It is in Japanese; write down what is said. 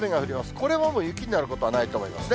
これはもう雪になることはないと思いますね。